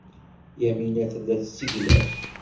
Yamina tella tesseglaf.